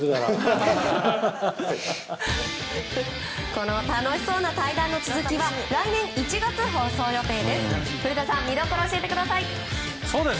この楽しそうな対談の続きは来年１月放送予定です。